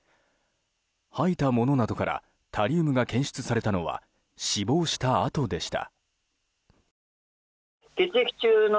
吐いたものなどからタリウムが検出されたのは死亡したあとでした。